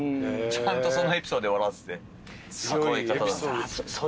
ちゃんとそのエピソードで笑ってて。